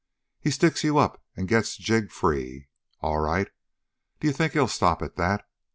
He sticks you up and gets Jig free. All right! D'you think he'll stop at that?